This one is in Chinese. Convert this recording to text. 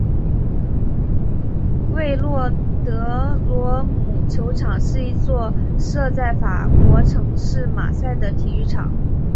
韦洛德罗姆球场是一座设在法国城市马赛的体育场。